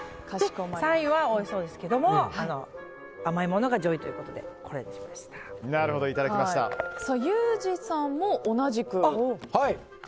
３位はおいしそうですけども甘いものが上位ということでユージさんも同じく。